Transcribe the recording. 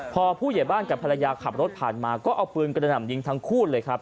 พอผู้ใหญ่บ้านกับภรรยาขับรถผ่านมาก็เอาปืนกระหน่ำยิงทั้งคู่เลยครับ